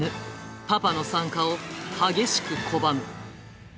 パパの参加を激しく拒む。